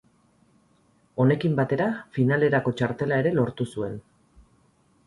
Honekin batera finalerako txartela ere lortu zuen.